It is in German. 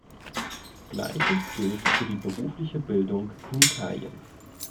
Gleiches gilt für die berufliche Bildung in Italien.